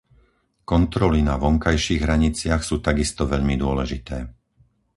Kontroly na vonkajších hraniciach sú takisto veľmi dôležité.